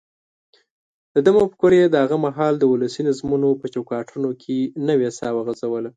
دده مفکورې د هغه مهال د ولسي نظمونو په چوکاټونو کې نوې ساه وغځوله.